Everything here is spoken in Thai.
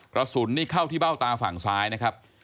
กระสุนนี่เข้าที่เบ้าตาฝั่งซ้ายนะครับ